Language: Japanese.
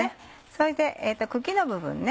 それで茎の部分ね。